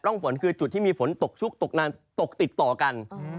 ฝนคือจุดที่มีฝนตกชุกตกนานตกติดต่อกัน